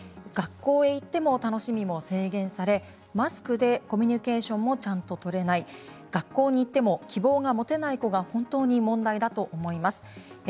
学校に行っても楽しみが制限されマスクでコミュニケーションがちゃんと取れない学校に行っても希望が持てないほうが本当に問題だと思います。